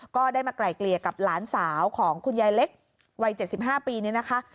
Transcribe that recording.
ก็ได้มาไกล่เกลี่ยกับหลานสาวของคุณยายเล็กวัย๗๕ปีนี้นะคะ